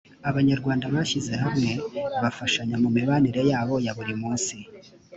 abanyarwanda bashyize hamwe bafashanya mu mibanire yabo ya buri munsi